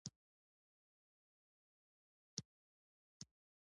دا نه ښه خلک دي نه ښه چلند.